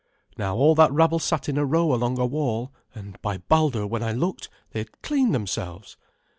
Now all that rabble sat in a row along a wall, and, by Baldur, when I looked, they had cleaned themselves!